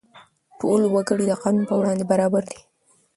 ټول وګړي د قانون پر وړاندې برابر دي.